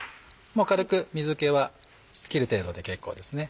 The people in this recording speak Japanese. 軽く水気は切れているので結構ですね。